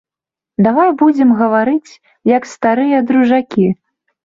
Давай будзем гаварыць як старыя дружакі.